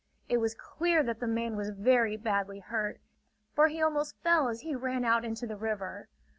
It was clear that the man was very badly hurt; for he almost fell as he ran out into the river.